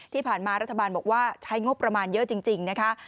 ที่ผ่านมารัฐบาลบอกว่าใช้งบประมาณเยอะจริงนะคะ